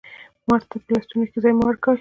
مار ته په لستوڼي کښي ځای مه ورکوه